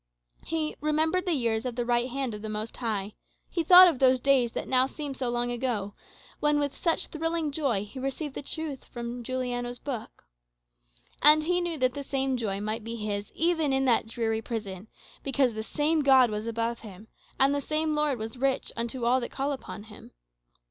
He "remembered the years of the right hand of the Most High;" he thought of those days that now seemed so long ago, when, with such thrilling joy, he received the truth from Juliano's book. And he knew that the same joy might be his even in that dreary prison, because the same God was above him, and the same Lord was "rich unto all that call upon him."